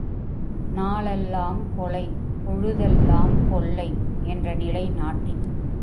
நாளெல்லாம் கொலை, பொழுதெல்லாம் கொள்ளை என்ற நிலை நாட்டில்!